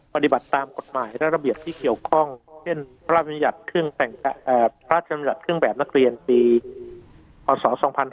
ปฏิบัติตามกฎหมายและระเบียบที่เกี่ยวข้องเช่นพระราชบรรยัตน์เครื่องแบบนักเรียนปีศ๒๕๕๑